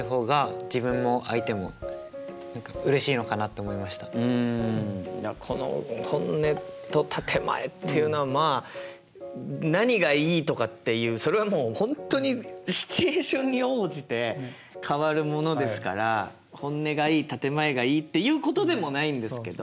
それよりうんいやこの本音と建て前っていうのはまあ何がいいとかっていうそれはもう本当にシチュエーションに応じて変わるものですから本音がいい建て前がいいっていうことでもないんですけど。